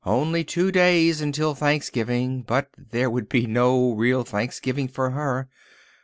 Only two days until Thanksgiving—but there would be no real Thanksgiving for her.